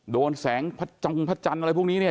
โดนแสงพระจงพระจันทร์อะไรพวกนี้เนี่ย